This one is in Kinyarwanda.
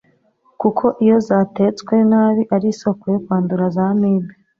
kuko iyo zatetswe nabi ari isoko yo kwandura za Amibe.